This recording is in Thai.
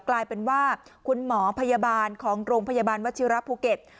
กลายเป็นว่าคุณหมอพยาบาลของโรงพยาบาลวัชิระภูเก็ต